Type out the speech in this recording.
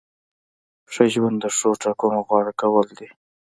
ښه ژوند د ښو ټاکنو غوره کول دي.